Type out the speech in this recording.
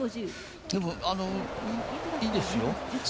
でも、いいですよ。